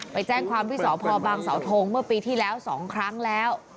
ไปแจ้งความที่สพบางสาวทงเมื่อปีที่แล้ว๒ครั้งแล้ว